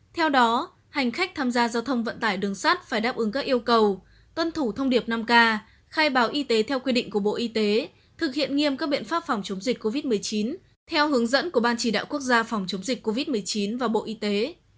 theo đó hành khách tham gia giao thông vận tải đường sắt phải đáp ứng các yêu cầu tuân thủ thông điệp năm k khai báo y tế theo quy định của bộ y tế thực hiện nghiêm các biện pháp phòng chống dịch covid một mươi chín theo hướng dẫn của ban chỉ đạo quốc gia phòng chống dịch covid một mươi chín và bộ y tế